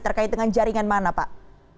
terkait dengan jaringan mana pak